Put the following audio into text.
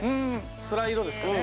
スライドですかね。